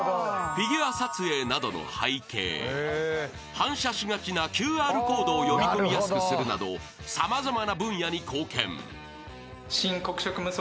［反射しがちなＱＲコードを読み込みやすくするなど様々な分野に貢献］